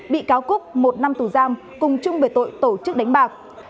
bị cáo cúc một năm tù giam cùng chung về tội tổ chức đánh bạc